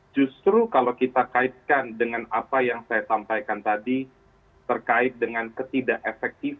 justru kalau kita kaitkan dengan apa yang saya sampaikan tadi terkait dengan ketidak efektifan